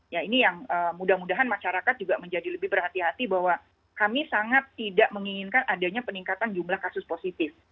ya ini yang mudah mudahan masyarakat juga menjadi lebih berhati hati bahwa kami sangat tidak menginginkan adanya peningkatan jumlah kasus positif